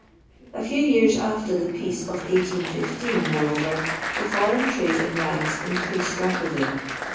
A few years after the peace of 1815, moreover, the foreign trade in ngs in creased rapidly.